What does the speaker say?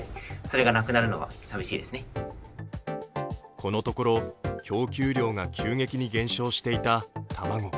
このところ供給量が急激に減少していた卵。